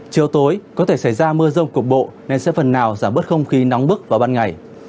chiều tối có thể xảy ra mưa rông cục bộ nên sẽ phần nào giảm bớt không khí nóng bức vào ban ngày